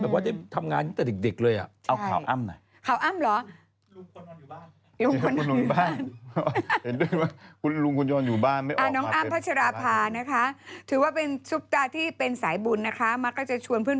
แบบว่าจะทำงานนี่แต่ดีกเลย